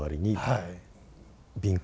はい。